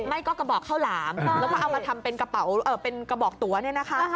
ไม่ก็กระบอกข้าวหลามแล้วก็เอามาทำเป็นกระบอกตั๋วนี่นะคะ